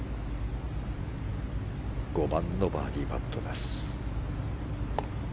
５番のバーディーパットです。